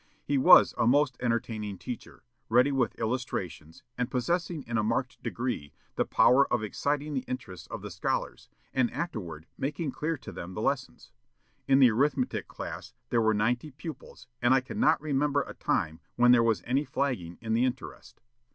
He was a most entertaining teacher, ready with illustrations, and possessing in a marked degree the power of exciting the interest of the scholars, and afterward making clear to them the lessons. In the arithmetic class there were ninety pupils, and I cannot remember a time when there was any flagging in the interest.